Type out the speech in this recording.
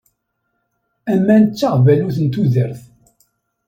Aman d taɣbalut n tudert.